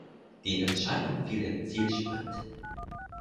Die Entscheidung fiel im Zielsprint.